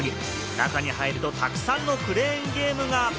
中に入るとたくさんのクレーンゲームが。